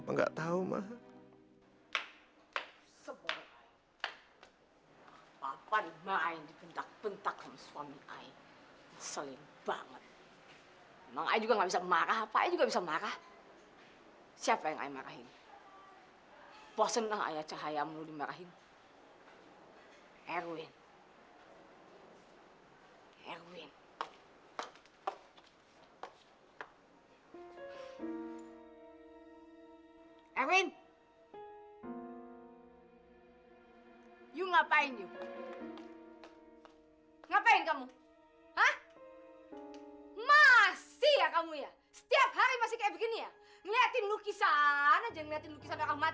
sampai jumpa di video selanjutnya